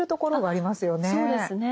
あっそうですね。